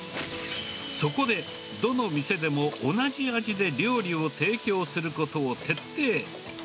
そこで、どの店でも同じ味で料理を提供することを徹底。